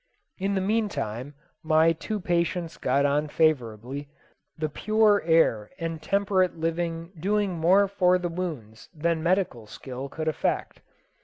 In the meantime, my two patients got on favourably, the pure air and temperate living doing more for the wounds than medical skill could effect.